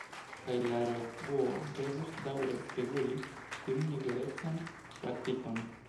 Kaj la revuo devus daŭre “speguli” tiun liberecan praktikon.